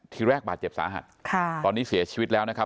ทีแรกบาดเจ็บสาหัสตอนนี้เสียชีวิตแล้วนะครับ